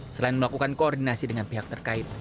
selain melakukan koordinasi dengan pihak terkait